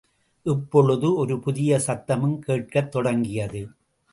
இப்பொழுது ஒரு புதிய சத்தமும் கேட்கத் தொடங்கியது.